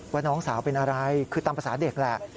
ว่าน้องสาวเป็นอะไรคือตามภาษาเด็กแหละ